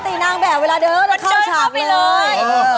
อ๋อปกตินางแบบเวลาเดินเข้าฉับเลย